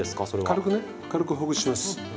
軽くほぐします。